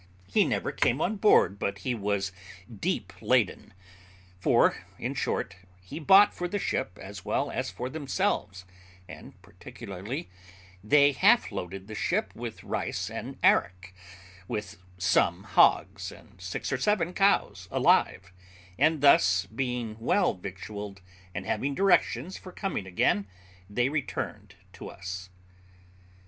He never came on board but he was deep laden; for, in short, he bought for the ship as well as for themselves; and, particularly, they half loaded the ship with rice and arrack, with some hogs, and six or seven cows, alive; and thus, being well victualled, and having directions for coming again, they returned to us.